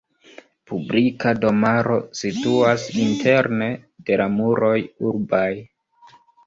Publika domaro situas interne de la muroj urbaj.